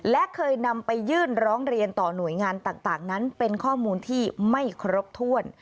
และเคยนำไปยื่นร้องเรียนต่อหน่วยงานต่างนั้นเป็นข้อมูลที่ไม่ครบถ้วน